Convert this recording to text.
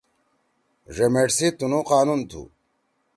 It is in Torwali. ڙمیٹ سی تنُو قانون تھو۔